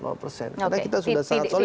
karena kita sudah solid